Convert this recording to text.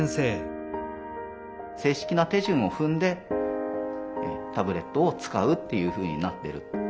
正式な手順を踏んでタブレットを使うっていうふうになってる。